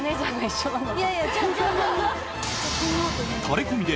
タレコミで。